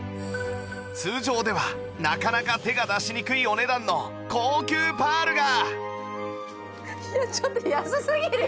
通常ではなかなか手が出しにくいお値段の高級パールが